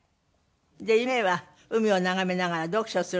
夢は「海を眺めながら読書する」